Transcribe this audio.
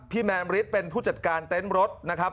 แมนฤทธิ์เป็นผู้จัดการเต็นต์รถนะครับ